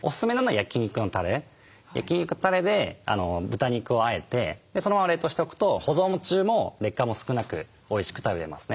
焼肉のたれで豚肉をあえてそのまま冷凍しておくと保存中も劣化も少なくおいしく食べれますね。